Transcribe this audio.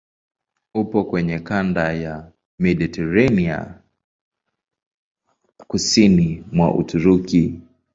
Upo kwenye kanda ya Mediteranea kusini mwa Uturuki.